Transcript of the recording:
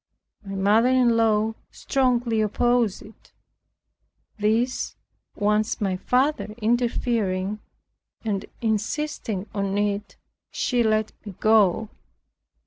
My mother in law strongly opposed it. This once my father interfering, and insisting on it, she let me go.